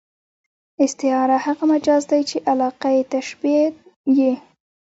استعاره هغه مجاز دئ، چي علاقه ئې تشبېه يي.